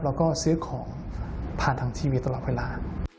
แล้วก็ซื้อของผ่านทางทีวีตลอดเวลา